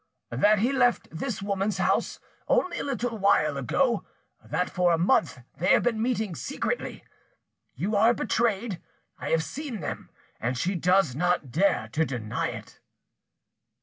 "That he left this woman's house only a little while ago, that for a month they have been meeting secretly. You are betrayed: I have seen them and she does not dare to deny it."